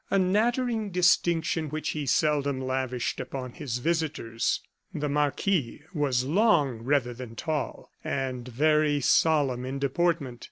A nattering distinction, which he seldom lavished upon his visitors. The marquis was long rather than tall, and very solemn in deportment.